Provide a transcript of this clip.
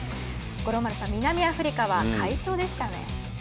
五郎丸さん、南アフリカは快勝でしたね。